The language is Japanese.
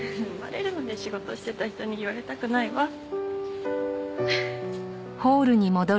生まれるまで仕事してた人に言われたくないわ。